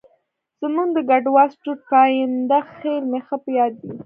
زموږ د کټواز ټوټ پاینده خېل مې ښه په یاد دی.